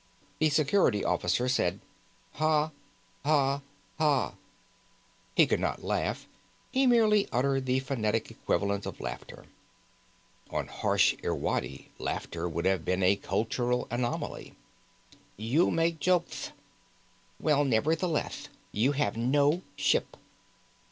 The Security Officer said: "Ha, ha, ha." He could not laugh; he merely uttered the phonetic equivalent of laughter. On harsh Irwadi, laughter would have been a cultural anomaly. "You make joketh. Well, nevertheleth, you have no ship."